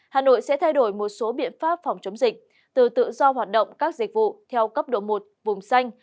hà nội sẽ thay đổi một số biện pháp phòng chống dịch từ tự do hoạt động các dịch vụ theo cấp độ một vùng xanh